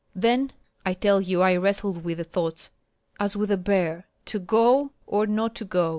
Then I tell you I wrestled with my thoughts as with a bear. 'To go or not to go?'